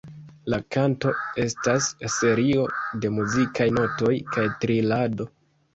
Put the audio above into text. La kanto estas serio de muzikaj notoj kaj trilado.